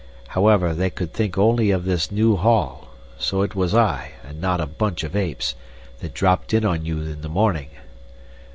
However, they could think only of this new haul; so it was I, and not a bunch of apes, that dropped in on you in the morning.